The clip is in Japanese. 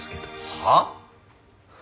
はっ？